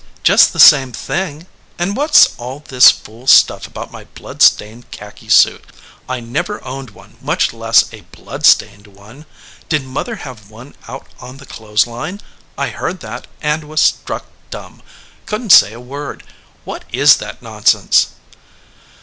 Just the same thing. And what s all this fool stuff about my blood stained khaki suit? I never owned one, much less a blood stained one. Did mother have one out on the clothes line? I heard that, and I was struck 175 EDGEWATER PEOPLE dumb, couldn t say a word. What is that non sense?"